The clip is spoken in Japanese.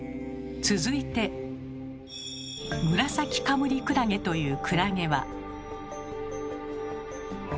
続いてムラサキカムリクラゲというクラゲは。